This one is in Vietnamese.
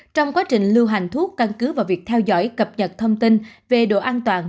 trong quá trình lưu hành thuốc căn cứ vào việc theo dõi cập nhật thông tin về độ an toàn